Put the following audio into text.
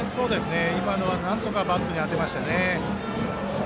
今のはなんとかバットに当てましたね。